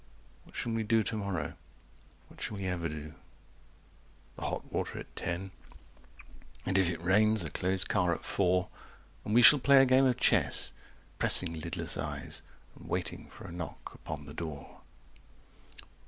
What shall we do to morrow? What shall we ever do?" The hot water at ten. 135 And if it rains, a closed car at four. And we shall play a game of chess, Pressing lidless eyes and waiting for a knock upon the door.